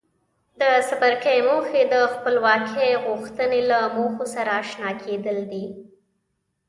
د څپرکي موخې د خپلواکۍ غوښتنې له موخو سره آشنا کېدل دي.